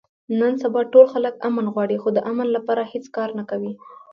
نن سبا ټول خلک امن غواړي، خو د امن لپاره هېڅ کار نه کوي.